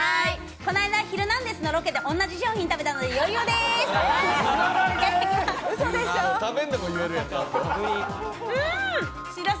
この間『ヒルナンデス！』のロケで同じ商品を食べたので余裕です。